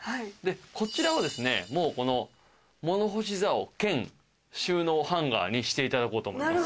こちらはもうこの物干しざお兼収納ハンガーにしていただこうと思います。